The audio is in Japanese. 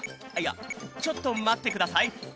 いやちょっとまってください。